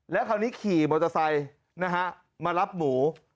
แล้วคราวนี้ขี่มอเตอร์ไซค์นะฮะมารับหมู